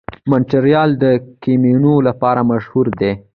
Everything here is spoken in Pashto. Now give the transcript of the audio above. مونټریال د ګیمونو لپاره مشهور دی.